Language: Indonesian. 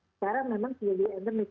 sekarang memang sedia endemis